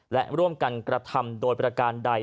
และร่วมกันกระทำโดยประการใด